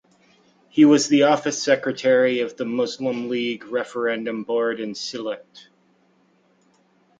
He was the office secretary of the Muslim League referendum board in Sylhet.